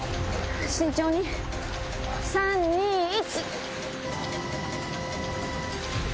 慎重に３・２・１！